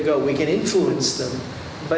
kita bisa menginfluensi mereka